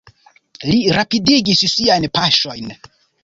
Li rapidigis siajn paŝojn.